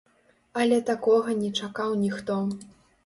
Але такога не чакаў ніхто.